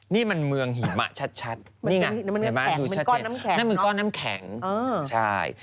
นี่มันเมืองหิมะชัดนี่ไงมันก้อนน้ำแข็งใช่